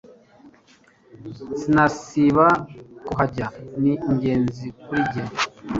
Sinasiba kuhajya ni ingenzi kuri nge